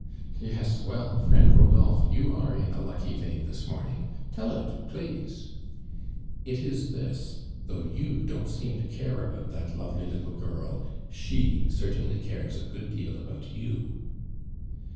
" Yes. Well, friend Rodolphc, you are in a lucky vein this morning. Tell it, please !''" It is this. Though you don't seem to care about that lovely little girl, she cer tainly cares a good deal about you."